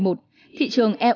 từ không nuôi chồng đến trẻ